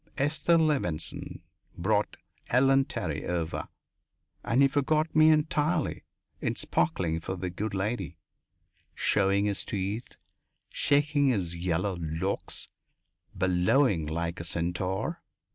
Esther Levenson brought Ellen Terry over and he forgot me entirely in sparkling for the good lady showing his teeth, shaking his yellow locks, bellowing like a centaur.